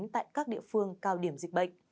tại các địa phương cao điểm dịch bệnh